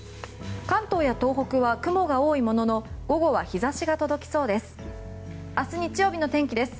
関東や東北は雲が多いものの午後は日差しが届きそうです。